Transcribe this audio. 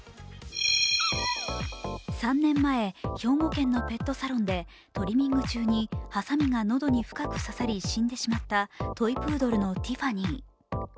３年前、兵庫県のペットサロンでトリミング中にはさみが喉に深く刺さり死んでしまったトイプードルのティファニー。